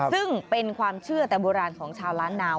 ซึ่งเป็นความเชื่อแต่โบราณของชาวล้านนาว